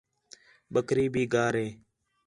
بکری بھی گار ہے